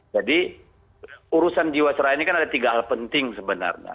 jadi urusan jiwasraya ini kan ada tiga hal penting sebenarnya